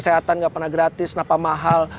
kesehatan nggak pernah gratis kenapa mahal